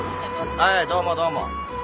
はいどうもどうも。